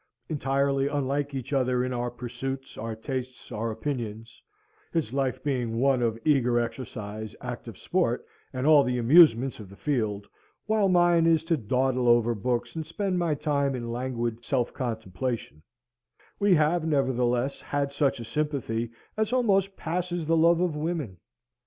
Entirely unlike each other in our pursuits, our tastes, our opinions his life being one of eager exercise, active sport, and all the amusements of the field, while mine is to dawdle over books and spend my time in languid self contemplation we have, nevertheless, had such a sympathy as almost passes the love of women.